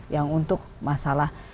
yang untuk masalah